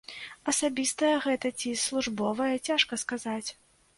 Асабістае гэта ці службовае, цяжка сказаць.